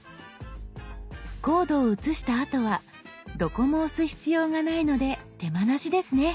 コードを写したあとはどこも押す必要がないので手間なしですね。